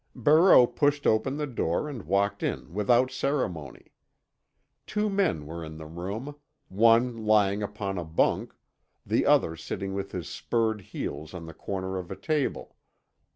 Barreau pushed open the door and walked in without ceremony. Two men were in the room; one lying upon a bunk, the other sitting with his spurred heels on the corner of a table.